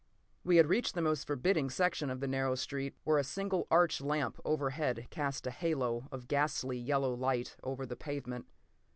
p> We had reached the most forbidding section of the narrow street, where a single arch lamp overhead cast a halo of ghastly yellow light over the pavement.